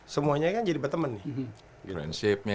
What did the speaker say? semuanya kan jadi berteman nih